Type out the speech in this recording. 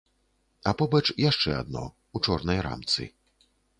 А побач яшчэ адно, у чорнай рамцы.